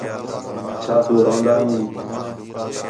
چَھا تُو روندا ہیں